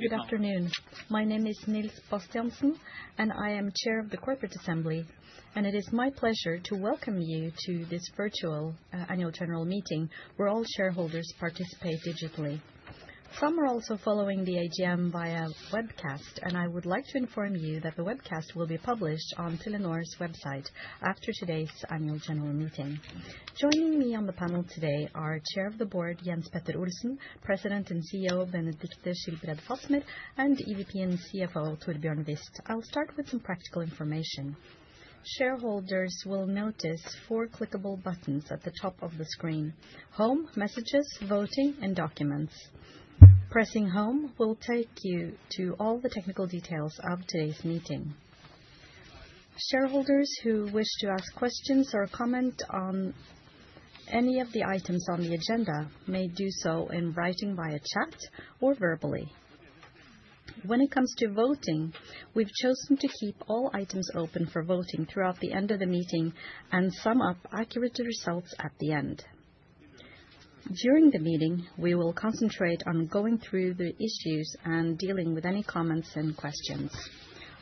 Good afternoon. My name is Nils Bastiansen, and I am Chair of the Corporate Assembly, and it is my pleasure to welcome you to this virtual Annual General Meeting where all shareholders participate digitally. Some are also following the AGM via webcast, and I would like to inform you that the webcast will be published on Telenor's website after today's Annual General Meeting. Joining me on the panel today are Chair of the Board, Jens Petter Olsen, President and CEO, Benedicte Schilbred Fasmer, and EVP and CFO, Torbjørn Wist. I'll start with some practical information. Shareholders will notice four clickable buttons at the top of the screen, home, messages, voting, and documents. Pressing home will take you to all the technical details of today's meeting. Shareholders who wish to ask questions or comment on any of the items on the agenda may do so in writing via chat or verbally. When it comes to voting, we've chosen to keep all items open for voting throughout the end of the meeting and sum up accurate results at the end. During the meeting, we will concentrate on going through the issues and dealing with any comments and questions.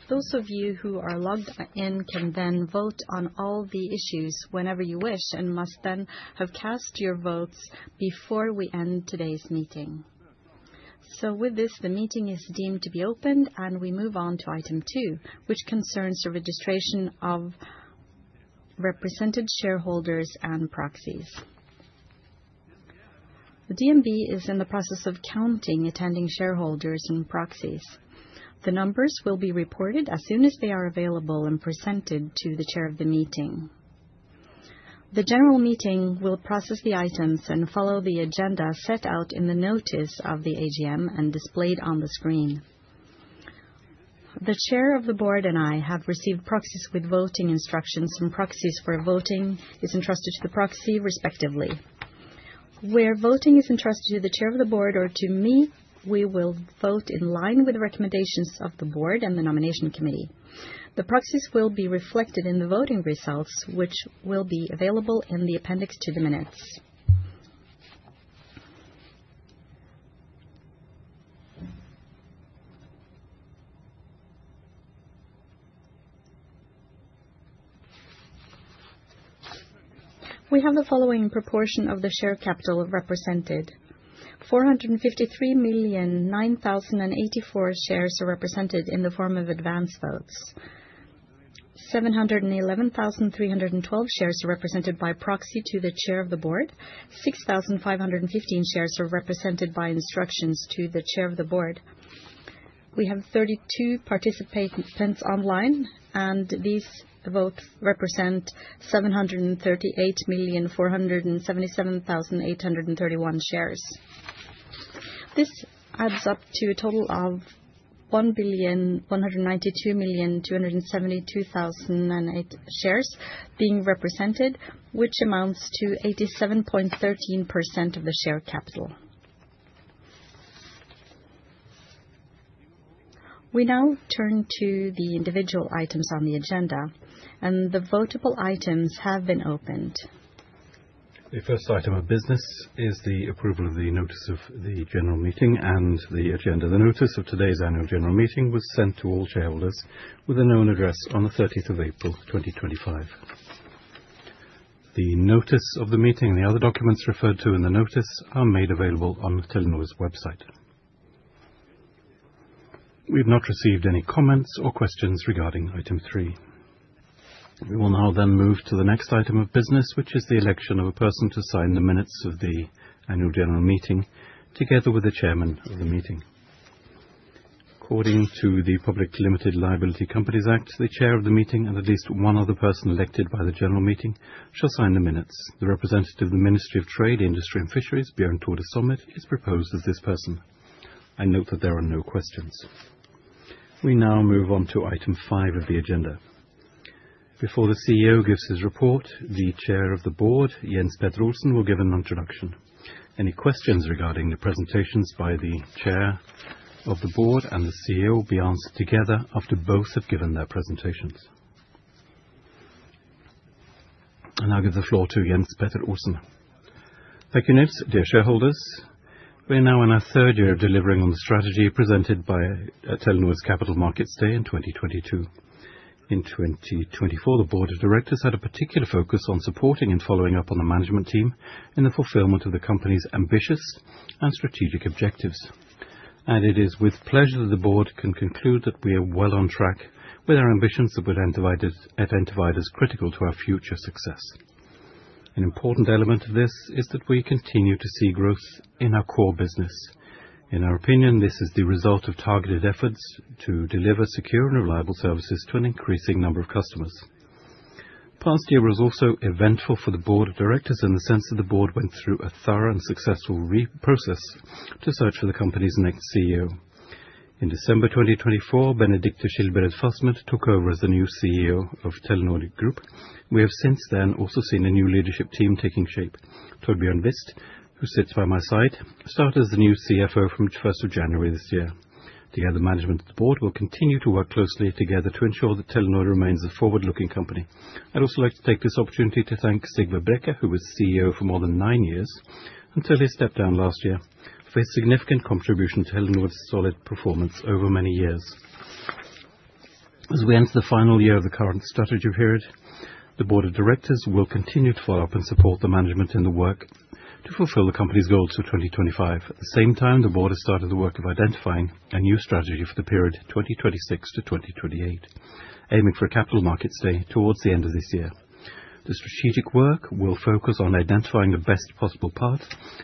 Those of you who are logged in can then vote on all the issues whenever you wish and must then have cast your votes before we end today's meeting. So, with this, the meeting is deemed to be opened, and we move on to item two, which concerns the registration of represented shareholders and proxies. The DNB is in the process of counting attending shareholders and proxies. The numbers will be reported as soon as they are available and presented to the chair of the meeting. The general meeting will process the items and follow the agenda set out in the notice of the AGM and displayed on the screen. The Chair of the Board and I have received proxies with voting instructions from proxies for voting is entrusted to the proxy, respectively. Where voting is entrusted to the Chair of the Board or to me, we will vote in line with the recommendations of the Board and the Nomination Committee. The proxies will be reflected in the voting results, which will be available in the appendix to the minutes. We have the following proportion of the share capital represented: 453,009,084 shares are represented in the form of advance votes, 711,312 shares are represented by proxy to the Chair of the Board, 6,515 shares are represented by instructions to the Chair of the Board. We have 32 participants online, and these votes represent 738,477,831 shares. This adds up to a total of 1,192,272,008 shares being represented, which amounts to 87.13% of the share capital. We now turn to the individual items on the agenda, and the votable items have been opened. The first item of business is the approval of the notice of the general meeting and the agenda. The notice of today's Annual General Meeting was sent to all shareholders with a known address on the 30th of April, 2025. The notice of the meeting and the other documents referred to in the notice are made available on Telenor's website. We've not received any comments or questions regarding item three. We will now then move to the next item of business, which is the election of a person to sign the minutes of the Annual General Meeting together with the chairman of the meeting. According to the Public Limited Liability Companies Act, the chair of the meeting and at least one other person elected by the general meeting shall sign the minutes. The representative of the Ministry of Trade, Industry, and Fisheries, Bjørn Tore Sommer, is proposed as this person. I note that there are no questions. We now move on to item five of the agenda. Before the CEO gives his report, the Chair of the Board, Jens Petter Olsen, will give an introduction. Any questions regarding the presentations by the Chair of the Board and the CEO will be answered together after both have given their presentations, and I'll give the floor to Jens Petter Olsen. Thank you, Nils. Dear shareholders, we're now in our third year of delivering on the strategy presented by Telenor's Capital Markets Day in 2022. In 2024, the Board of Directors had a particular focus on supporting and following up on the management team in the fulfillment of the company's ambitious and strategic objectives, and it is with pleasure that the board can conclude that we are well on track with our ambitions that were identified as critical to our future success. An important element of this is that we continue to see growth in our core business. In our opinion, this is the result of targeted efforts to deliver secure and reliable services to an increasing number of customers. The past year was also eventful for the Board of Directors in the sense that the board went through a thorough and successful process to search for the company's next CEO. In December 2024, Benedicte Fasmer took over as the new CEO of Telenor Group. We have since then also seen a new leadership team taking shape. Torbjørn Wist, who sits by my side, started as the new CFO from the 1st of January this year. Together, management and the board will continue to work closely together to ensure that Telenor remains a forward-looking company. I'd also like to take this opportunity to thank Sigve Brekke, who was CEO for more than nine years until he stepped down last year for his significant contribution to Telenor's solid performance over many years. As we enter the final year of the current strategy period, the Board of Directors will continue to follow up and support the management in the work to fulfill the company's goals for 2025. At the same time, the board has started the work of identifying a new strategy for the period 2026 to 2028, aiming for a Capital Markets Day towards the end of this year. The strategic work will focus on identifying the best possible path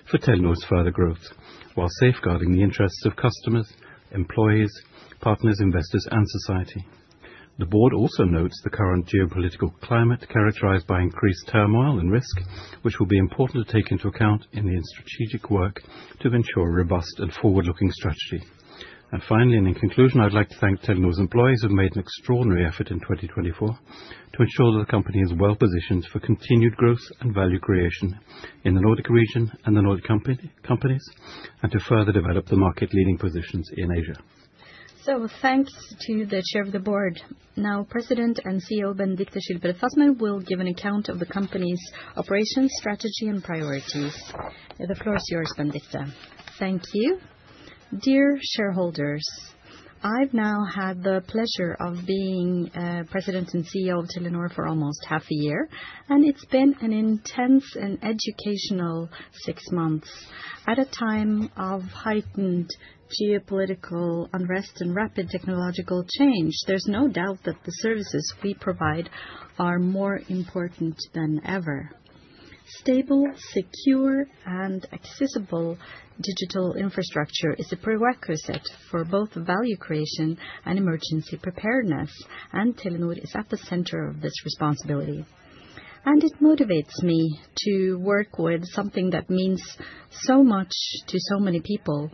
for Telenor's further growth while safeguarding the interests of customers, employees, partners, investors, and society. The board also notes the current geopolitical climate characterized by increased turmoil and risk, which will be important to take into account in the strategic work to ensure a robust and forward-looking strategy. And finally, and in conclusion, I'd like to thank Telenor's employees who have made an extraordinary effort in 2024 to ensure that the company is well positioned for continued growth and value creation in the Nordic region and the Nordic companies and to further develop the market-leading positions in Asia. So, thanks to the Chair of the Board. Now, President and CEO Benedicte Schilbred Fasmer will give an account of the company's operations, strategy, and priorities. The floor is yours, Benedicte. Thank you. Dear shareholders, I've now had the pleasure of being president and CEO of Telenor for almost half a year, and it's been an intense and educational six months. At a time of heightened geopolitical unrest and rapid technological change, there's no doubt that the services we provide are more important than ever. Stable, secure, and accessible digital infrastructure is a prerequisite for both value creation and emergency preparedness, and Telenor is at the center of this responsibility. And it motivates me to work with something that means so much to so many people.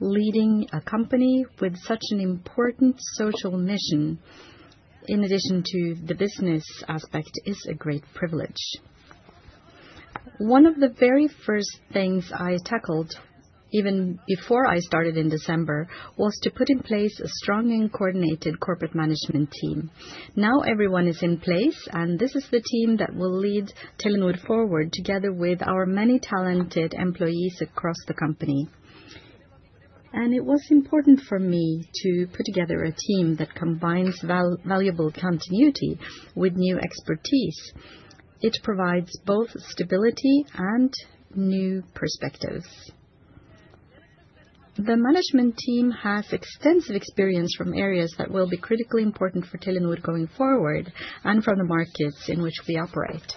Leading a company with such an important social mission, in addition to the business aspect, is a great privilege. One of the very first things I tackled, even before I started in December, was to put in place a strong and coordinated corporate management team. Now everyone is in place, and this is the team that will lead Telenor forward together with our many talented employees across the company. And it was important for me to put together a team that combines valuable continuity with new expertise. It provides both stability and new perspectives. The management team has extensive experience from areas that will be critically important for Telenor going forward and from the markets in which we operate.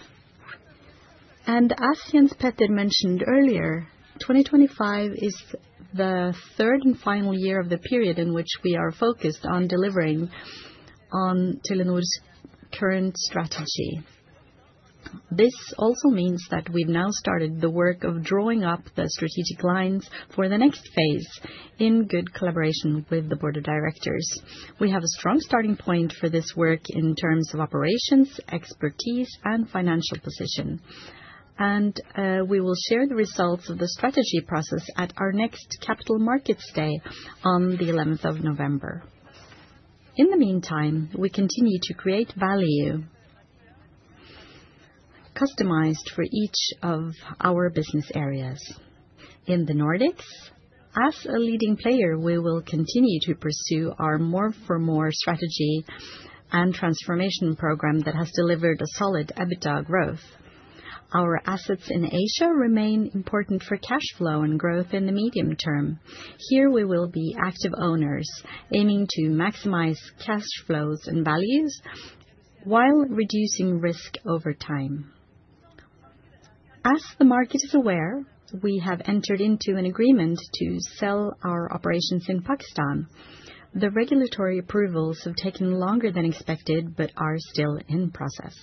And as Jens Petter mentioned earlier, 2025 is the third and final year of the period in which we are focused on delivering on Telenor's current strategy. This also means that we've now started the work of drawing up the strategic lines for the next phase in good collaboration with the Board of Directors. We have a strong starting point for this work in terms of operations, expertise, and financial position, and we will share the results of the strategy process at our next Capital Markets Day on the 11th of November. In the meantime, we continue to create value customized for each of our business areas. In the Nordics, as a leading player, we will continue to pursue our more-for-more strategy and transformation program that has delivered a solid EBITDA growth. Our assets in Asia remain important for cash flow and growth in the medium term. Here, we will be active owners, aiming to maximize cash flows and values while reducing risk over time. As the market is aware, we have entered into an agreement to sell our operations in Pakistan. The regulatory approvals have taken longer than expected but are still in process.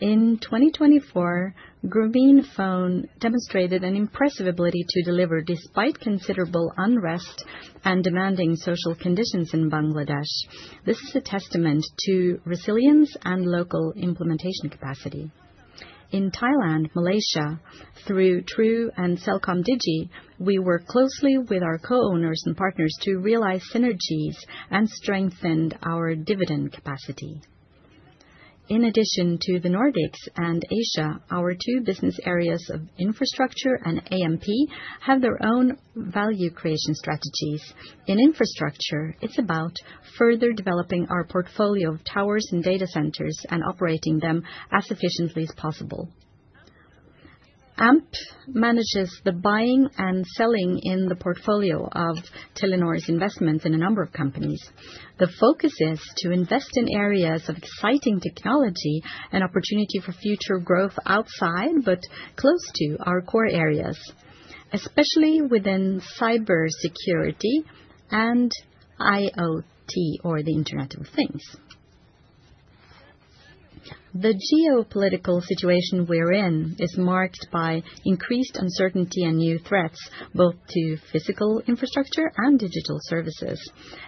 In 2024, Grameenphone demonstrated an impressive ability to deliver despite considerable unrest and demanding social conditions in Bangladesh. This is a testament to resilience and local implementation capacity. In Thailand, Malaysia, through True and CelcomDigi, we worked closely with our co-owners and partners to realize synergies and strengthened our dividend capacity. In addition to the Nordics and Asia, our two business areas of infrastructure and Amp have their own value creation strategies. In infrastructure, it's about further developing our portfolio of towers and data centers and operating them as efficiently as possible. Amp manages the buying and selling in the portfolio of Telenor's investments in a number of companies. The focus is to invest in areas of exciting technology and opportunity for future growth outside but close to our core areas, especially within cybersecurity and IoT, or the Internet of Things. The geopolitical situation we're in is marked by increased uncertainty and new threats both to physical infrastructure and digital services,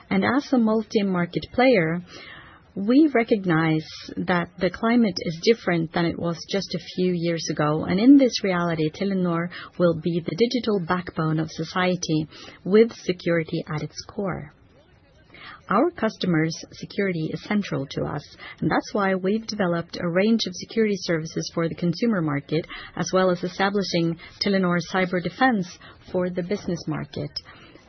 and as a multi-market player, we recognize that the climate is different than it was just a few years ago, and in this reality, Telenor will be the digital backbone of society with security at its core. Our customers' security is central to us, and that's why we've developed a range of security services for the consumer market, as well as establishing Telenor Cyber Defence for the business market,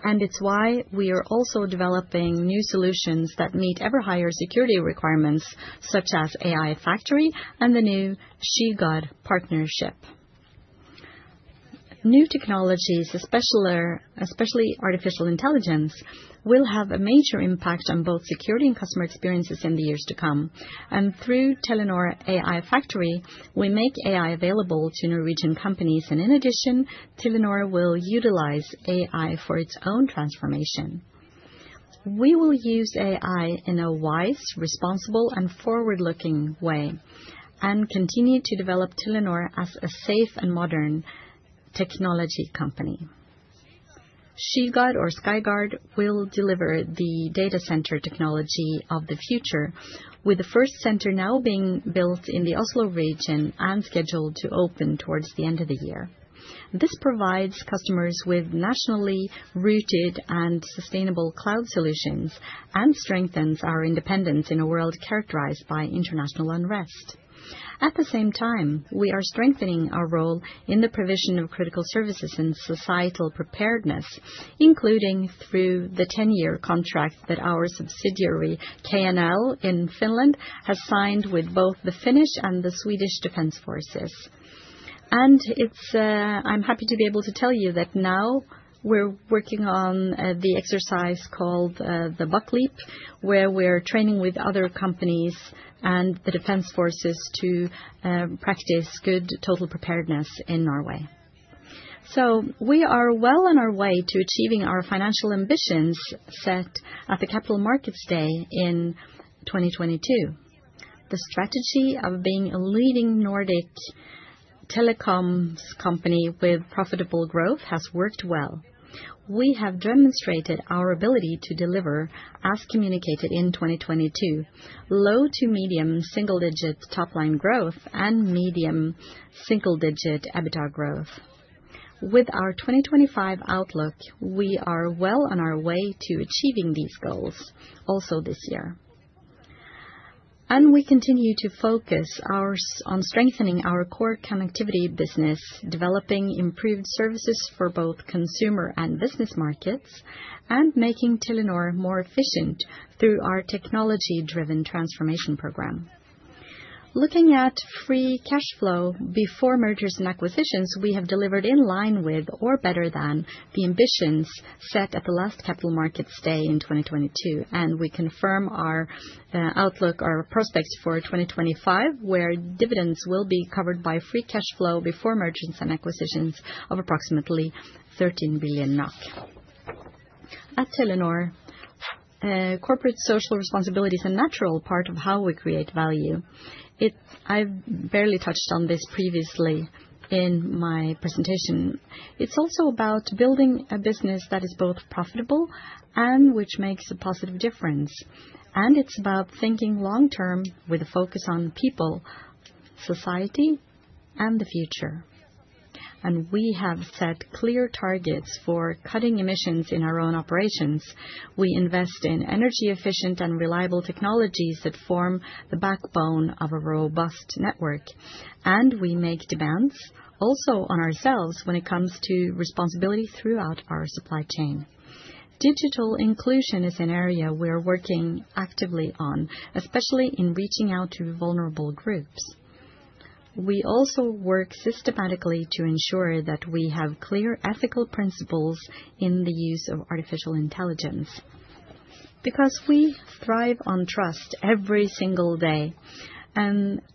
and it's why we are also developing new solutions that meet ever-higher security requirements, such as AI Factory and the new Skygard partnership. New technologies, especially artificial intelligence, will have a major impact on both security and customer experiences in the years to come. And through Telenor AI Factory, we make AI available to Norwegian companies. And in addition, Telenor will utilize AI for its own transformation. We will use AI in a wise, responsible, and forward-looking way and continue to develop Telenor as a safe and modern technology company. Skygard, or Skygard, will deliver the data center technology of the future, with the first center now being built in the Oslo region and scheduled to open towards the end of the year. This provides customers with nationally rooted and sustainable cloud solutions and strengthens our independence in a world characterized by international unrest. At the same time, we are strengthening our role in the provision of critical services and societal preparedness, including through the 10-year contract that our subsidiary KNL in Finland has signed with both the Finnish and the Swedish Defense Forces, and I'm happy to be able to tell you that now we're working on the exercise called the Buck Leap, where we're training with other companies and the Defense Forces to practice good total preparedness in Norway, so we are well on our way to achieving our financial ambitions set at the Capital Markets Day in 2022. The strategy of being a leading Nordic telecoms company with profitable growth has worked well. We have demonstrated our ability to deliver, as communicated in 2022, low to medium single-digit top-line growth and medium single-digit EBITDA growth. With our 2025 outlook, we are well on our way to achieving these goals also this year, and we continue to focus on strengthening our core connectivity business, developing improved services for both consumer and business markets, and making Telenor more efficient through our technology-driven transformation program. Looking at Free Cash Flow before mergers and acquisitions, we have delivered in line with or better than the ambitions set at the last Capital Markets Day in 2022, and we confirm our outlook, our prospects for 2025, where dividends will be covered by Free Cash Flow before mergers and acquisitions of approximately 13 billion NOK. At Telenor, corporate social responsibility is a natural part of how we create value. I've barely touched on this previously in my presentation. It's also about building a business that is both profitable and which makes a positive difference. It's about thinking long-term with a focus on people, society, and the future. We have set clear targets for cutting emissions in our own operations. We invest in energy-efficient and reliable technologies that form the backbone of a robust network. We make demands also on ourselves when it comes to responsibility throughout our supply chain. Digital inclusion is an area we're working actively on, especially in reaching out to vulnerable groups. We also work systematically to ensure that we have clear ethical principles in the use of artificial intelligence because we thrive on trust every single day.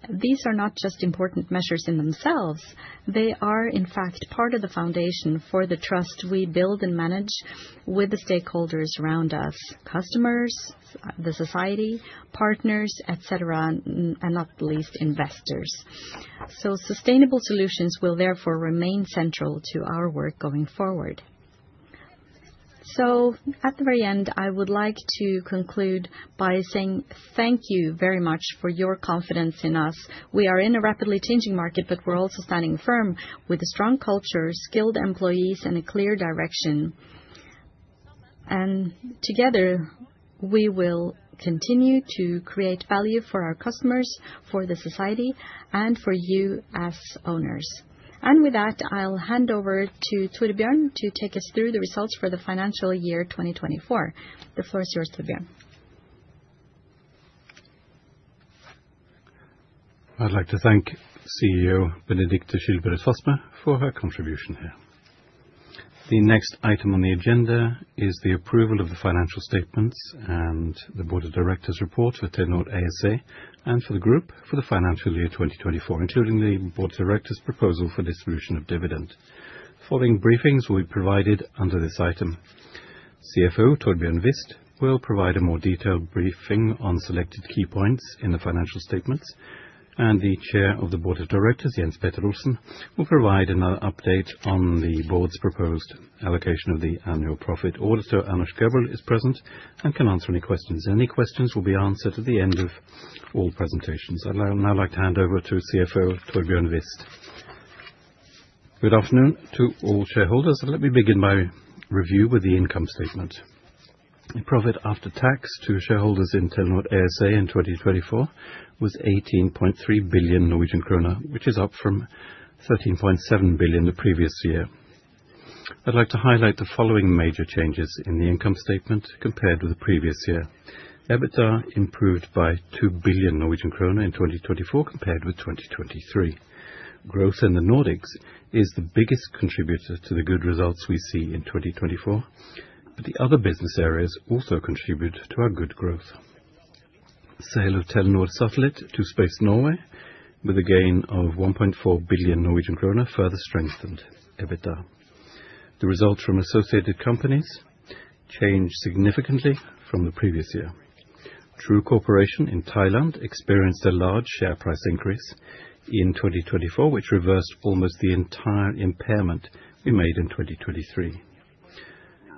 These are not just important measures in themselves. They are, in fact, part of the foundation for the trust we build and manage with the stakeholders around us: customers, the society, partners, etc., and not least investors. Sustainable solutions will therefore remain central to our work going forward. So at the very end, I would like to conclude by saying thank you very much for your confidence in us. We are in a rapidly changing market, but we're also standing firm with a strong culture, skilled employees, and a clear direction. And together, we will continue to create value for our customers, for the society, and for you as owners. And with that, I'll hand over to Torbjørn to take us through the results for the financial year 2024. The floor is yours, Torbjørn. I'd like to thank CEO Benedicte Fasmer for her contribution here. The next item on the agenda is the approval of the financial statements and the Board of Directors report for Telenor ASA and for the group for the financial year 2024, including the Board of Directors proposal for distribution of dividend. Following briefings, we'll be provided under this item. CFO Torbjørn Wist will provide a more detailed briefing on selected key points in the financial statements, and the Chair of the Board of Directors, Jens Petter Olsen, will provide an update on the board's proposed allocation of the annual profit. Auditor Arne Skjærvik is present and can answer any questions. Any questions will be answered at the end of all presentations. I'd now like to hand over to CFO Torbjørn Wist. Good afternoon to all shareholders. Let me begin by review with the income statement. Profit after tax to shareholders in Telenor ASA in 2024 was 18.3 billion Norwegian kroner, which is up from 13.7 billion the previous year. I'd like to highlight the following major changes in the income statement compared with the previous year. EBITDA improved by two billion Norwegian kroner in 2024 compared with 2023. Growth in the Nordics is the biggest contributor to the good results we see in 2024. But the other business areas also contribute to our good growth. Sale of Telenor Satellite to Space Norway with a gain of 1.4 billion Norwegian kroner further strengthened EBITDA. The results from associated companies changed significantly from the previous year. True Corporation in Thailand experienced a large share price increase in 2024, which reversed almost the entire impairment we made in 2023.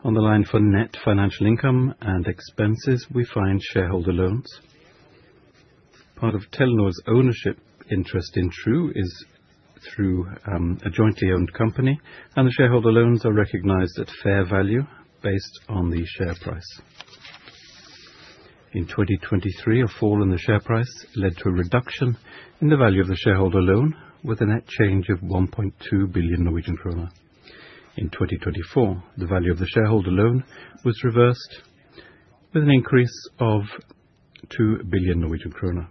On the line for net financial income and expenses, we find shareholder loans. Part of Telenor's ownership interest in True is through a jointly owned company, and the shareholder loans are recognized at fair value based on the share price. In 2023, a fall in the share price led to a reduction in the value of the shareholder loan with a net change of 1.2 billion Norwegian kroner. In 2024, the value of the shareholder loan was reversed with an increase of 2 billion Norwegian kroner.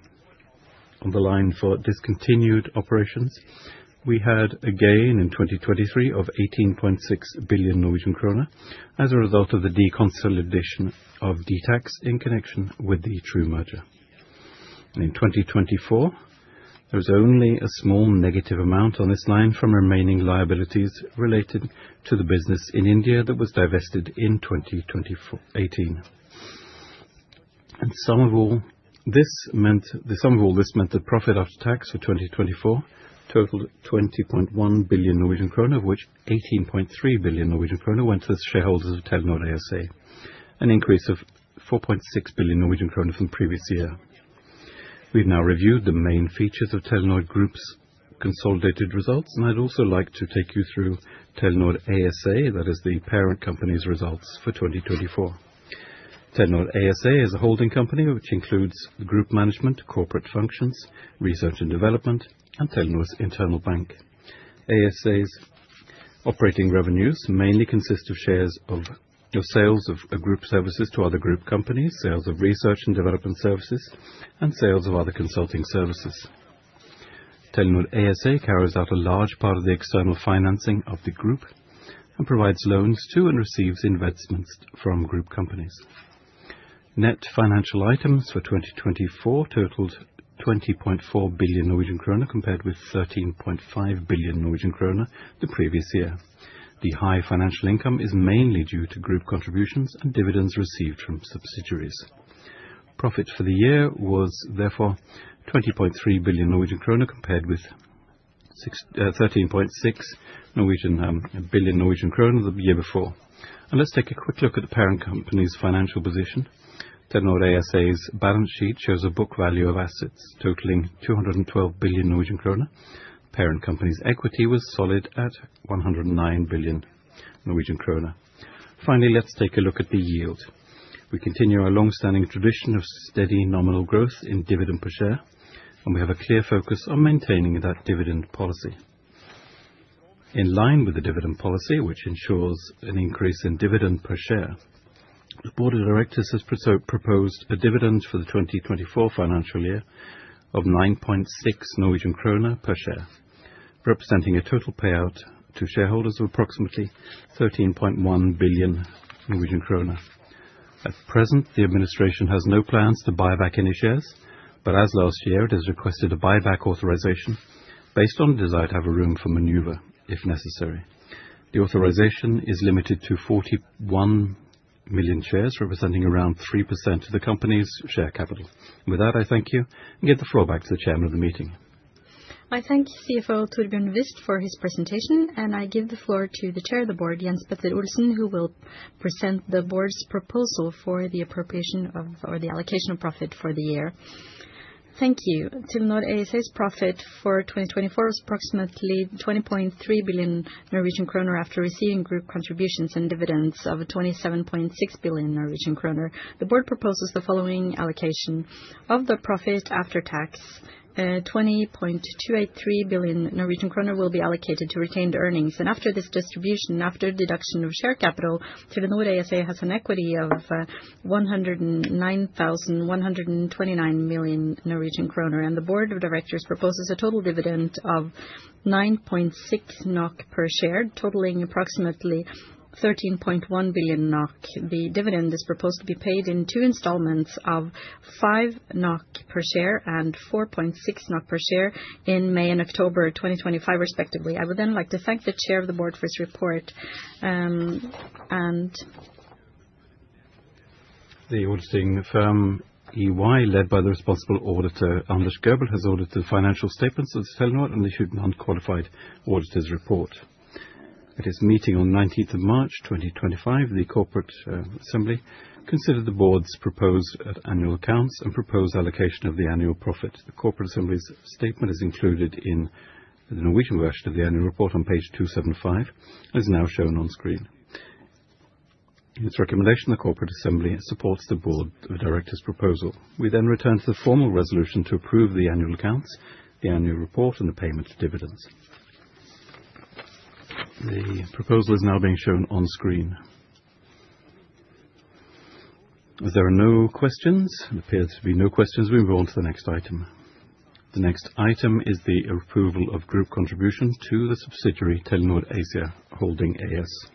On the line for discontinued operations, we had a gain in 2023 of 18.6 billion Norwegian kroner as a result of the deconsolidation of dtac in connection with the True merger. In 2024, there was only a small negative amount on this line from remaining liabilities related to the business in India that was divested in 2018. The sum of all this meant that profit after tax for 2024 totaled 20.1 billion Norwegian krone, of which 18.3 billion Norwegian krone went to the shareholders of Telenor ASA, an increase of 4.6 billion Norwegian krone from the previous year. We've now reviewed the main features of Telenor Group's consolidated results, and I'd also like to take you through Telenor ASA, that is the parent company's results for 2024. Telenor ASA is a holding company which includes group management, corporate functions, research and development, and Telenor's internal bank. ASA's operating revenues mainly consist of shares of sales of group services to other group companies, sales of research and development services, and sales of other consulting services. Telenor ASA carries out a large part of the external financing of the group and provides loans to and receives investments from group companies. Net financial items for 2024 totaled 20.4 billion Norwegian krone compared with 13.5 billion Norwegian krone the previous year. The high financial income is mainly due to group contributions and dividends received from subsidiaries. Profit for the year was therefore 20.3 billion Norwegian kroner compared with 13.6 billion Norwegian kroner the year before. And let's take a quick look at the parent company's financial position. Telenor ASA's balance sheet shows a book value of assets totaling 212 billion Norwegian krone. Parent company's equity was solid at 109 billion Norwegian krone. Finally, let's take a look at the yield. We continue our long-standing tradition of steady nominal growth in dividend per share, and we have a clear focus on maintaining that dividend policy. In line with the dividend policy, which ensures an increase in dividend per share, the Board of Directors has proposed a dividend for the 2024 financial year of 9.6 Norwegian kroner per share, representing a total payout to shareholders of approximately 13.1 billion Norwegian kroner. At present, the administration has no plans to buy back any shares, but as last year, it has requested a buyback authorization based on a desire to have a room for maneuver if necessary. The authorization is limited to 41 million shares, representing around 3% of the company's share capital. With that, I thank you and give the floor back to the chairman of the meeting. I thank CFO Torbjørn Wist for his presentation, and I give the floor to the chair of the board, Jens Petter Olsen, who will present the board's proposal for the appropriation of or the allocation of profit for the year. Thank you. Telenor ASA's profit for 2024 was approximately 20.3 billion Norwegian kroner after receiving group contributions and dividends of 27.6 billion Norwegian kroner. The board proposes the following allocation of the profit after tax: 20.283 billion Norwegian kroner will be allocated to retained earnings, and after this distribution, after deduction of share capital, Telenor ASA has an equity of 109,129 million Norwegian kroner. The Board of Directors proposes a total dividend of 9.6 NOK per share, totaling approximately 13.1 billion NOK. The dividend is proposed to be paid in two installments of 5 NOK per share and 4.6 NOK per share in May and October 2025, respectively. I would then like to thank the Chair of the Board for his report and. The auditing firm EY, led by the responsible auditor Arne Skjærvik, has audited the financial statements of Telenor and issued an unqualified auditor's report. At its meeting on 19 March 2025, the Corporate Assembly considered the board's proposed annual accounts and proposed allocation of the annual profit. The Corporate Assembly's statement is included in the Norwegian version of the annual report on page 275 and is now shown on screen. In its recommendation, the Corporate Assembly supports the Board of Directors' proposal. We then return to the formal resolution to approve the annual accounts, the annual report, and the payment of dividends. The proposal is now being shown on screen. If there are no questions, it appears there are no questions. We move on to the next item. The next item is the approval of group contribution to the subsidiary Telenor Asia Holding AS.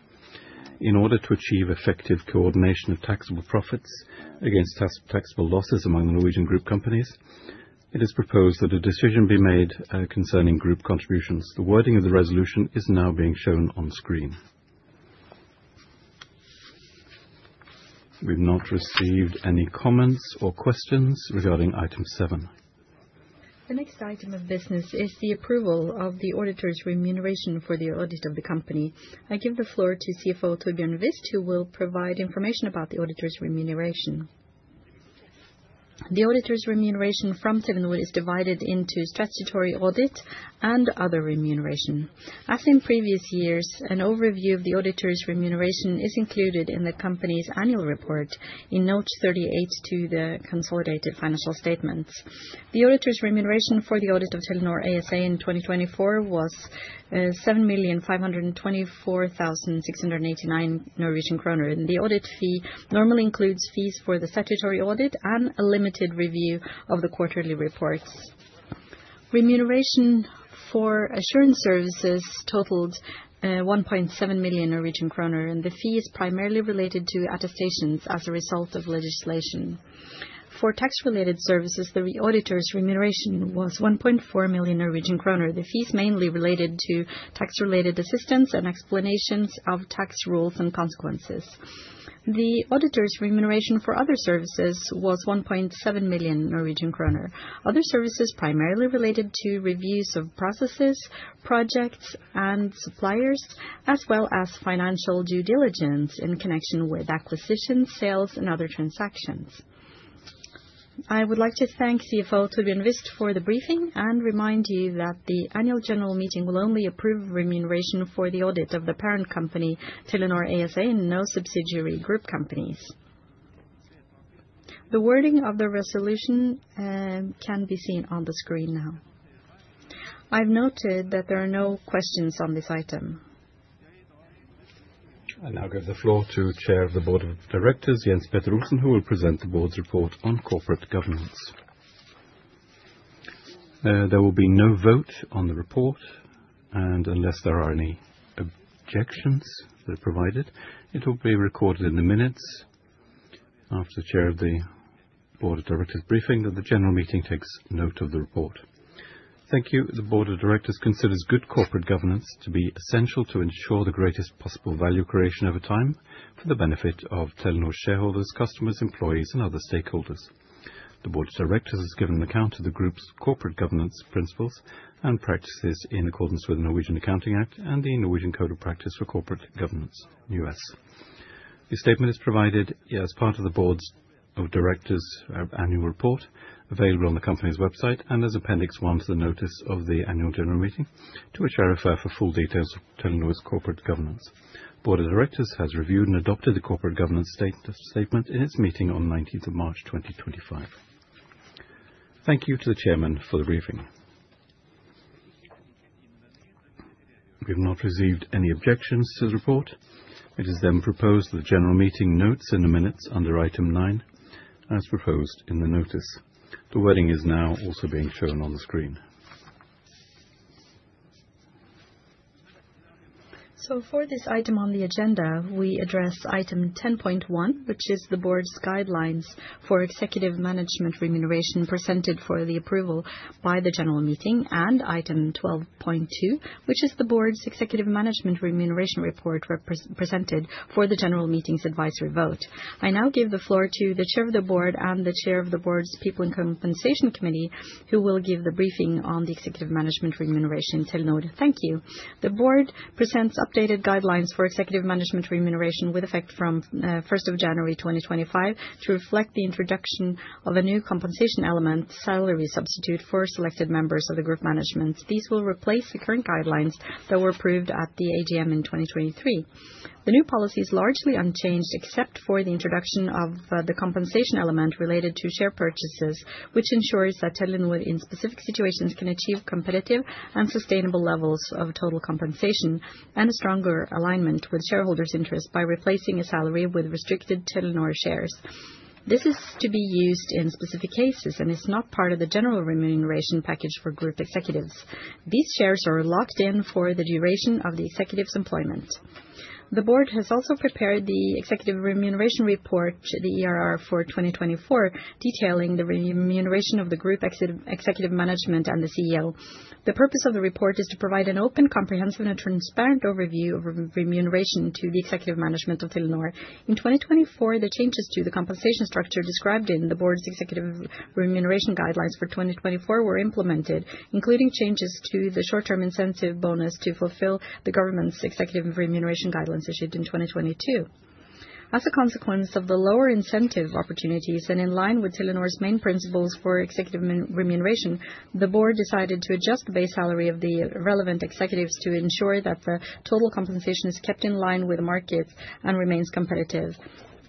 In order to achieve effective coordination of taxable profits against taxable losses among the Norwegian group companies, it is proposed that a decision be made concerning group contributions. The wording of the resolution is now being shown on screen. We've not received any comments or questions regarding item seven. The next item of business is the approval of the auditor's remuneration for the audit of the company. I give the floor to CFO Torbjørn Wist, who will provide information about the auditor's remuneration. The auditor's remuneration from Telenor is divided into statutory audit and other remuneration. As in previous years, an overview of the auditor's remuneration is included in the company's annual report in note 38 to the consolidated financial statements. The auditor's remuneration for the audit of Telenor ASA in 2024 was 7,524,689 Norwegian kroner, and the audit fee normally includes fees for the statutory audit and a limited review of the quarterly reports. Remuneration for assurance services totaled 1.7 million Norwegian kroner, and the fee is primarily related to attestations as a result of legislation. For tax-related services, the auditor's remuneration was 1.4 million Norwegian kroner. The fee is mainly related to tax-related assistance and explanations of tax rules and consequences. The auditor's remuneration for other services was 1.7 million Norwegian kroner. Other services primarily related to reviews of processes, projects, and suppliers, as well as financial due diligence in connection with acquisitions, sales, and other transactions. I would like to thank CFO Torbjørn Wist for the briefing and remind you that the Annual General Meeting will only approve remuneration for the audit of the parent company, Telenor ASA, and no subsidiary group companies. The wording of the resolution can be seen on the screen now. I've noted that there are no questions on this item. I now give the floor to Chair of the Board of Directors Jens Petter Olsen, who will present the board's report on corporate governance. There will be no vote on the report, and unless there are any objections that are provided, it will be recorded in the minutes after the Chair of the Board of Directors' briefing that the general meeting takes note of the report. Thank you. The Board of Directors considers good corporate governance to be essential to ensure the greatest possible value creation over time for the benefit of Telenor shareholders, customers, employees, and other stakeholders. The Board of Directors has given an account of the group's corporate governance principles and practices in accordance with the Norwegian Accounting Act and the Norwegian Code of Practice for Corporate Governance, US. The statement is provided as part of the Board of Directors' annual report, available on the company's website and as appendix one to the notice of the Annual General Meeting, to which I refer for full details of Telenor's corporate governance. The Board of Directors has reviewed and adopted the corporate governance statement in its meeting on 19 March 2025. Thank you to the chairman for the briefing. We have not received any objections to the report. It is then proposed that the general meeting notes in the minutes under item nine as proposed in the notice. The wording is now also being shown on the screen. So for this item on the agenda, we address item 10.1, which is the board's guidelines for executive management remuneration presented for the approval by the general meeting, and item 12.2, which is the board's executive management remuneration report presented for the general meeting's advisory vote. I now give the floor to the Chair of the Board and the Chair of the Board's People and Compensation Committee, who will give the briefing on the executive management remuneration to Telenor. Thank you. The board presents updated guidelines for executive management remuneration with effect from 1 January 2025 to reflect the introduction of a new compensation element, salary substitute, for selected members of the group management. These will replace the current guidelines that were approved at the AGM in 2023. The new policy is largely unchanged except for the introduction of the compensation element related to share purchases, which ensures that Telenor, in specific situations, can achieve competitive and sustainable levels of total compensation and a stronger alignment with shareholders' interests by replacing a salary with restricted Telenor shares. This is to be used in specific cases and is not part of the general remuneration package for group executives. These shares are locked in for the duration of the executive's employment. The board has also prepared the executive remuneration report, the ERR for 2024, detailing the remuneration of the group executive management and the CEO. The purpose of the report is to provide an open, comprehensive, and transparent overview of remuneration to the executive management of Telenor. In 2024, the changes to the compensation structure described in the board's executive remuneration guidelines for 2024 were implemented, including changes to the short-term incentive bonus to fulfill the government's executive remuneration guidelines issued in 2022. As a consequence of the lower incentive opportunities and in line with Telenor's main principles for executive remuneration, the board decided to adjust the base salary of the relevant executives to ensure that the total compensation is kept in line with markets and remains competitive.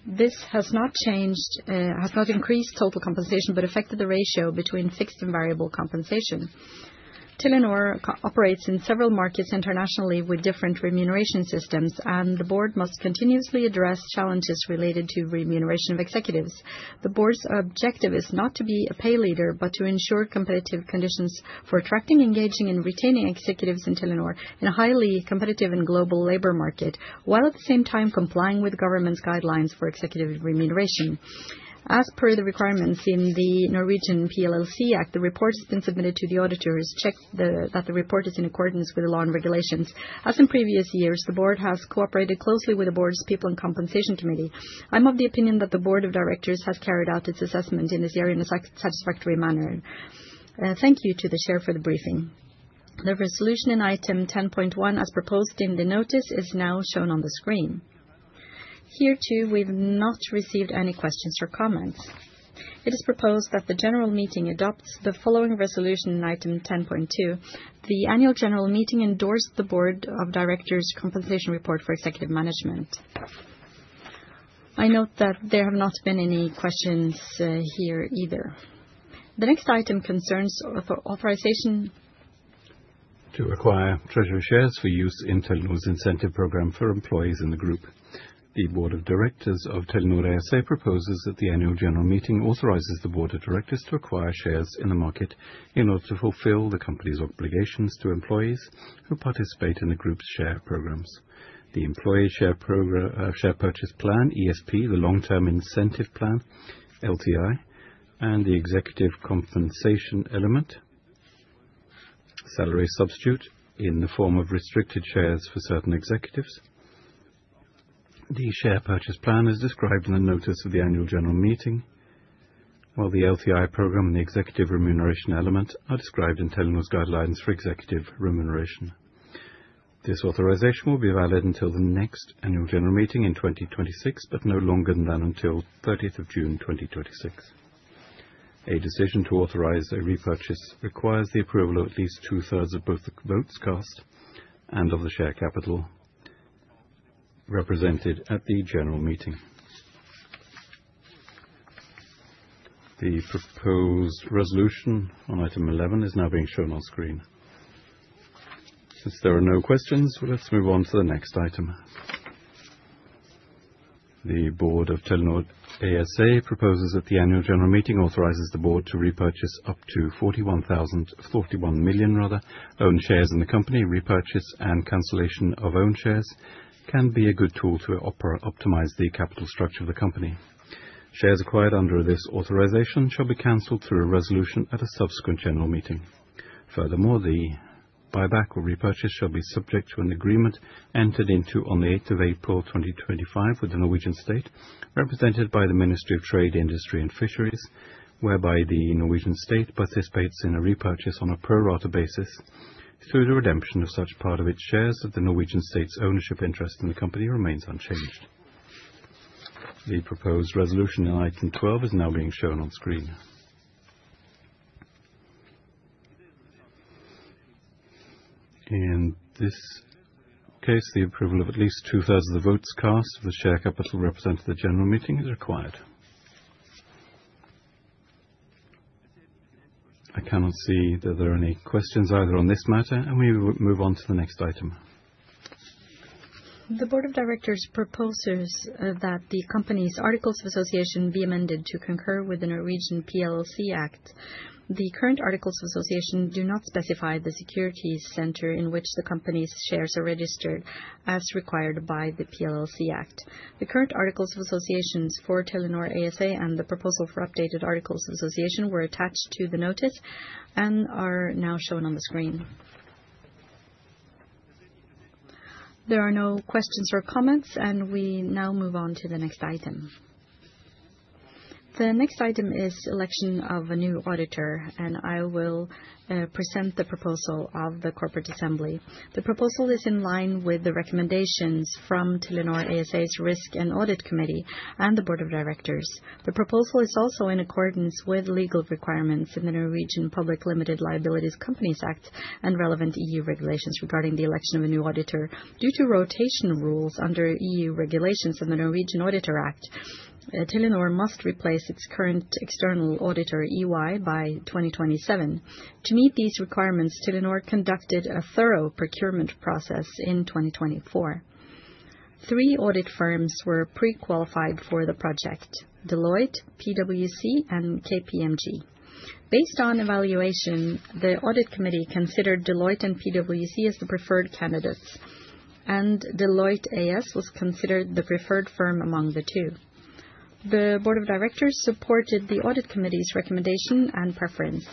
This has not changed, has not increased total compensation, but affected the ratio between fixed and variable compensation. Telenor operates in several markets internationally with different remuneration systems, and the board must continuously address challenges related to remuneration of executives. The board's objective is not to be a pay leader, but to ensure competitive conditions for attracting, engaging, and retaining executives in Telenor in a highly competitive and global labor market, while at the same time complying with government's guidelines for executive remuneration. As per the requirements in the Norwegian Public Limited Liability Companies Act, the report has been submitted to the auditors to check that the report is in accordance with the law and regulations. As in previous years, the board has cooperated closely with the board's People and Compensation Committee. I'm of the opinion that the Board of Directors has carried out its assessment in this year in a satisfactory manner. Thank you to the chair for the briefing. The resolution in item 10.1, as proposed in the notice, is now shown on the screen. Here, too, we've not received any questions or comments. It is proposed that the General Meeting adopts the following resolution in item 10.2. The Annual General Meeting endorsed the Board of Directors' compensation report for executive management. I note that there have not been any questions here either. The next item concerns authorization. To acquire treasury shares for use in Telenor's incentive program for employees in the group. The Board of Directors of Telenor ASA proposes that the Annual General Meeting authorizes the Board of Directors to acquire shares in the market in order to fulfill the company's obligations to employees who participate in the group's share programs. The employee share purchase plan, ESP, the long-term incentive plan, LTI, and the executive compensation element, salary substitute in the form of restricted shares for certain executives. The share purchase plan is described in the notice of the Annual General Meeting, while the LTI program and the executive remuneration element are described in Telenor's guidelines for executive remuneration. This authorization will be valid until the next Annual General Meeting in 2026, but no longer than until 30 June 2026. A decision to authorize a repurchase requires the approval of at least two-thirds of both the votes cast and of the share capital represented at the general meeting. The proposed resolution on item 11 is now being shown on screen. Since there are no questions, let's move on to the next item. The board of Telenor ASA proposes that the Annual General Meeting authorizes the board to repurchase up to 41,000, 41 million rather, owned shares in the company. Repurchase and cancellation of owned shares can be a good tool to optimize the capital structure of the company. Shares acquired under this authorization shall be canceled through a resolution at a subsequent general meeting. Furthermore, the buyback or repurchase shall be subject to an agreement entered into on the 8 April 2025 with the Norwegian state, represented by the Ministry of Trade, Industry and Fisheries, whereby the Norwegian state participates in a repurchase on a pro rata basis through the redemption of such part of its shares that the Norwegian state's ownership interest in the company remains unchanged. The proposed resolution in item 12 is now being shown on screen. In this case, the approval of at least two-thirds of the votes cast for the share capital represented at the general meeting is required. I cannot see that there are any questions either on this matter, and we move on to the next item. The Board of Directors proposes that the company's articles of association be amended to concur with the Norwegian Public Limited Liability Companies Act. The current articles of association do not specify the central securities register in which the company's shares are registered, as required by the Public Limited Liability Companies Act. The current articles of association for Telenor ASA and the proposal for updated articles of association were attached to the notice and are now shown on the screen. There are no questions or comments, and we now move on to the next item. The next item is election of a new auditor, and I will present the proposal of the Corporate assembly. The proposal is in line with the recommendations from Telenor ASA's Risk and Audit Committee and the Board of Directors. The proposal is also in accordance with legal requirements in the Norwegian Public Limited Liability Companies Act and relevant EU regulations regarding the election of a new auditor. Due to rotation rules under EU regulations and the Norwegian Auditor Act, Telenor must replace its current external auditor, EY, by 2027. To meet these requirements, Telenor conducted a thorough procurement process in 2024. Three audit firms were pre-qualified for the project: Deloitte, PwC, and KPMG. Based on evaluation, the Audit Committee considered Deloitte and PwC as the preferred candidates, and Deloitte AS was considered the preferred firm among the two. The Board of Directors supported the Audit Committee's recommendation and preference,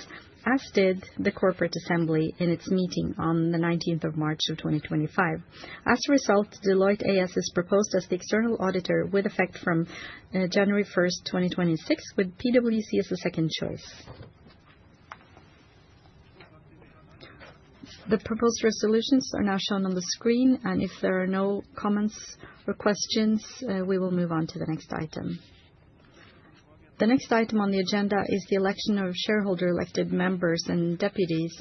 as did the Corporate Assembly in its meeting on 19 March 2025. As a result, Deloitte AS is proposed as the external auditor with effect from January 1, 2026, with PwC as the second choice. The proposed resolutions are now shown on the screen, and if there are no comments or questions, we will move on to the next item. The next item on the agenda is the election of shareholder-elected members and deputies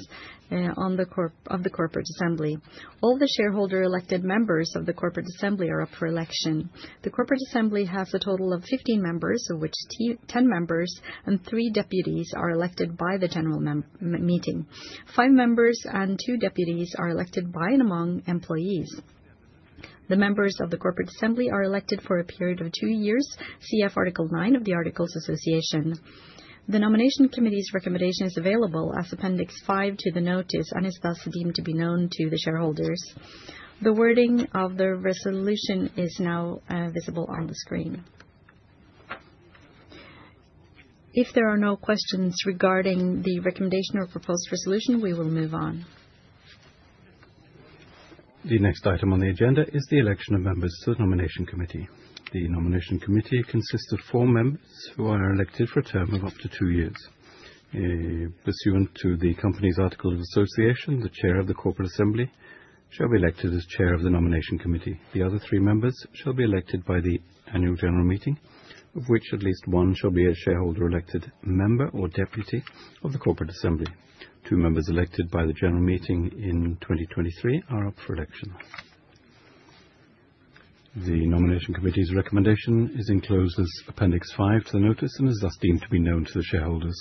of the Corporate Assembly. All the shareholder-elected members of the Corporate Assembly are up for election. The Corporate Assembly has a total of 15 members, of which 10 members and three deputies are elected by the general meeting. Five members and two deputies are elected by and among employees. The members of the Corporate Assembly are elected for a period of two years, cf. Article 9 of the articles of association. The Nomination Committee's recommendation is available as appendix five to the notice and is thus deemed to be known to the shareholders. The wording of the resolution is now visible on the screen. If there are no questions regarding the recommendation or proposed resolution, we will move on. The next item on the agenda is the election of members to the Nomination Committee. The Nomination Committee consists of four members who are elected for a term of up to two years. Pursuant to the company's articles of association, the chair of the Corporate Assembly shall be elected as chair of the Nomination Committee. The other three members shall be elected by the Annual General Meeting, of which at least one shall be a shareholder-elected member or deputy of the Corporate Assembly. Two members elected by the general meeting in 2023 are up for election. The Nomination Committee's recommendation is enclosed as appendix 5 to the notice and is thus deemed to be known to the shareholders.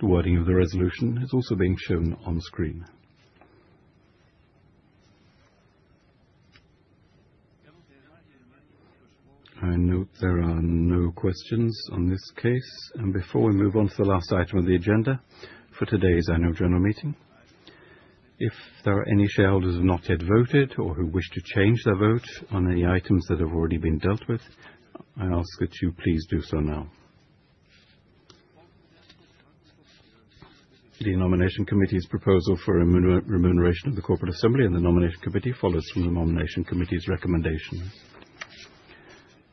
The wording of the resolution is also being shown on screen. I note there are no questions on this case, and before we move on to the last item of the agenda for today's Annual General Meeting, if there are any shareholders who have not yet voted or who wish to change their vote on any items that have already been dealt with, I ask that you please do so now. The Nomination Committee's proposal for remuneration of the Corporate Assembly and the Nomination Committee follows from the Nomination Committee's recommendation.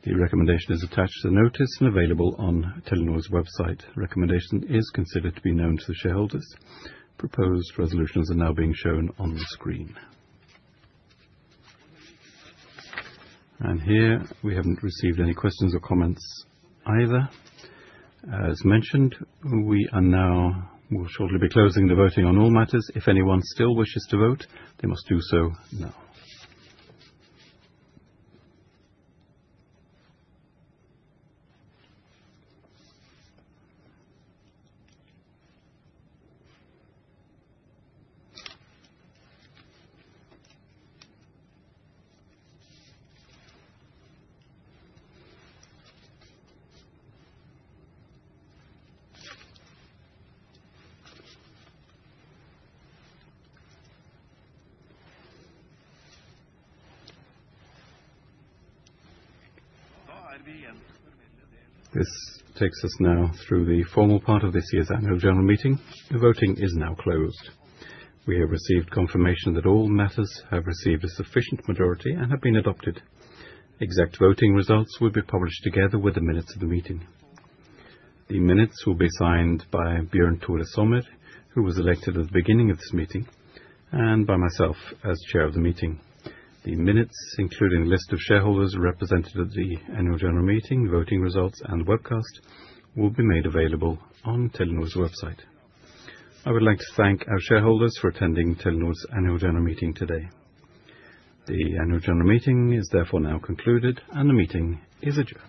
The recommendation is attached to the notice and available on Telenor's website. The recommendation is considered to be known to the shareholders. Proposed resolutions are now being shown on the screen, and here, we haven't received any questions or comments either. As mentioned, we will shortly be closing the voting on all matters. If anyone still wishes to vote, they must do so now. This takes us now through the formal part of this year's Annual General Meeting. The voting is now closed. We have received confirmation that all matters have received a sufficient majority and have been adopted. Exact voting results will be published together with the minutes of the meeting. The minutes will be signed by Bjørn Tore Sommer, who was elected at the beginning of this meeting, and by myself as chair of the meeting. The minutes, including a list of shareholders represented at the Annual General Meeting, voting results, and webcast, will be made available on Telenor's website. I would like to thank our shareholders for attending Telenor's Annual General Meeting today. The Annual General Meeting is therefore now concluded, and the meeting is adjourned.